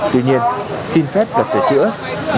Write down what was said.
tuy nhiên xin phép và xin lỗi